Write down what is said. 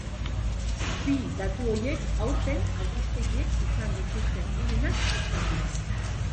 Bi datu horiek aurten albistegiek izan dituzten onenak izan dira.